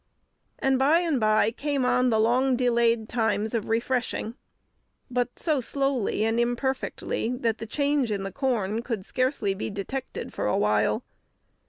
And by and by came on the long delayed times of refreshing, but so slowly and imperfectly that the change in the corn could scarcely be detected for a while.